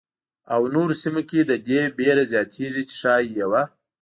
او نورو سیمو کې د دې وېره زیاتېږي چې ښايي یوه.